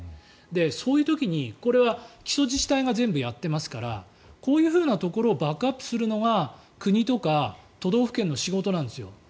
そういう時にこれは基礎自治体が全部やっていますからこういうところをバックアップするのが国とか都道府県の仕事なんですよ。